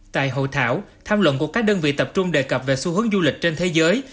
tại hội thảo tham luận của các đơn vị tập trung đề cập về xu hướng du lịch trên thế giới